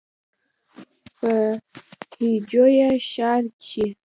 پۀ هجويه شعر کښې